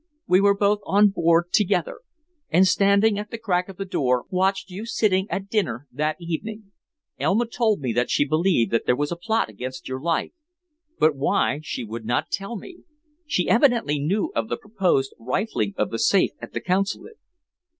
"We were both on board together, and standing at the crack of the door watched you sitting at dinner that evening. Elma told me that she believed that there was a plot against your life, but why she would not tell me. She evidently knew of the proposed rifling of the safe at the Consulate.